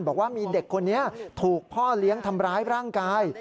บอกว่ามีเด็กคนนี้ถูกพ่อเลี้ยงทำร้ายร่างกาย